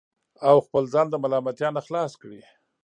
او خپل ځان د ملامتیا نه خلاص کړي